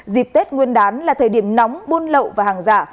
dịp tết nguyên đán là thời điểm nóng buôn lậu và hàng giả